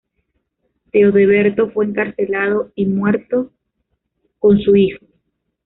Teodeberto fue encarcelado y muerto con su hijo.